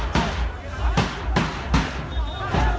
มันอาจจะไม่เอาเห็น